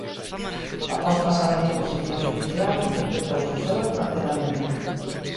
Após pasar a disposición xudicial decretouse o seu encarceramento.